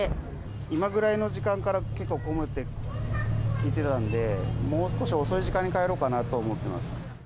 今ぐらいの時間から結構混むって聞いてたんで、もう少し遅い時間に帰ろうかなと思ってます。